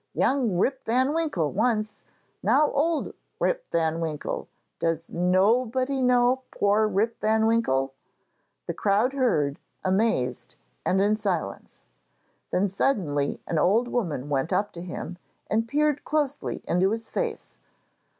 Young Rip van Winkle once, now old Rip van Winkle. Does nobody know poor Rip van Winkle?' The crowd heard, amazed, and in silence. Then suddenly an old woman went up to him, and peered closely into his face.